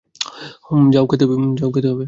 হুম, জাউ খেতে হবে।